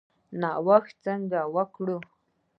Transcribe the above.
نوښت څنګه وکړو؟